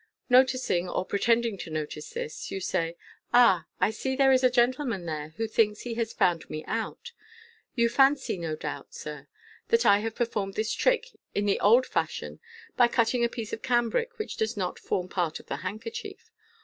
'' Noticing, or pretending to notice this, you say, "Ah, I see there is a gentleman there who thinks he has found me out You fancy, no doubt, sir, that I have performed this trick in the old fashion, by cutting a piece of cambric which does not form part of the handkerchief.